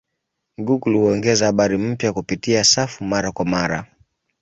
Google huongeza habari mpya kupitia safu mara kwa mara.